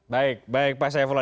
baik baik pak saiful